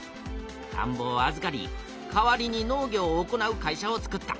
たんぼをあずかり代わりに農業を行う会社を作った。